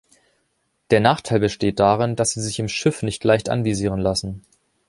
Der Nachteil besteht darin, dass sie sich im Schiff nicht leicht anvisieren lassen.